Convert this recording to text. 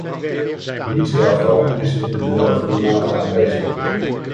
Niets daarvan is in de benodigde mate aanwezig.